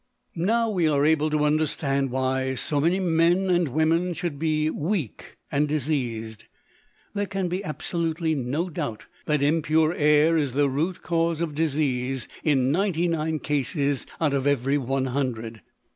Now we are able to understand why so many men and women should be weak and diseased. _There can be absolutely no doubt that impure air is the root cause of disease in ninety nine cases out of every hundred.